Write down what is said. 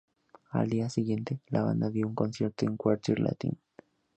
Al día siguiente, la banda dio un concierto en Quartier Latin..